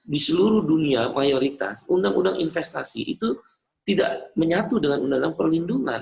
di seluruh dunia mayoritas undang undang investasi itu tidak menyatu dengan undang undang perlindungan